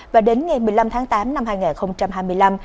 và đến ngày một mươi năm tháng tám năm hai nghìn hai mươi năm